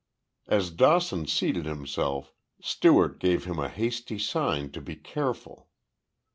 As Dawson seated himself, Stewart gave him a hasty sign to be careful.